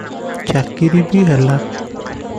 ଚାକିରି ବି ହେଲା ।